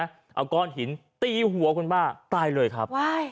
เอาก้อนหินตีหัวคุณป้าตายเลยครับ